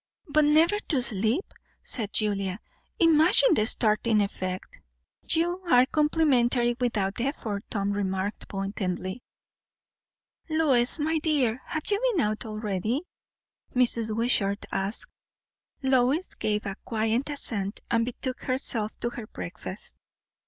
"But never to sleep!" said Julia. "Imagine the staring effect." "You are complimentary without effort," Tom remarked pointedly. "Lois, my dear, have you been out already?" Mrs. Wishart asked. Lois gave a quiet assent and betook herself to her breakfast.